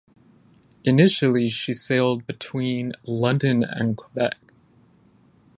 Initially she sailed between London and Quebec.